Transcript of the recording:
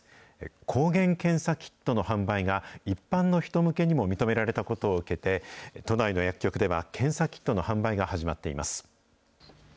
抗原検査キットの販売が、一般の人向けにも認められたことを受けて、都内の薬局では、検査キットの販売が始まっています。